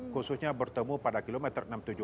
khususnya bertemu pada kilometer enam puluh tujuh